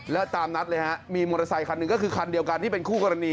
แล้วตามนัดเลยฮะมีมอเตอร์ไซคันหนึ่งก็คือคันเดียวกันที่เป็นคู่กรณี